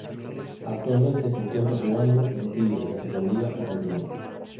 Actualmente se encuentra jugando en Tigre de la Superliga Argentina.